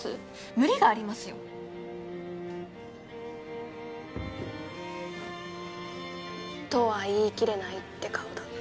無理がありますよとは言い切れないって顔だ